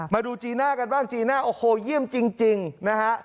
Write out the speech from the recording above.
มาดูจีน่ากันบ้างจีน่าโอ้โหเยี่ยมจริงนะฮะ